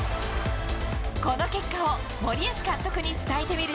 この結果を、森保監督に伝えてみ